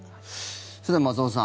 さて、松尾さん